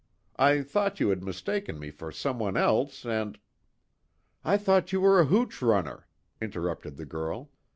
I thought you had mistaken me for someone else, and " "I thought you were a hooch runner," interrupted the girl.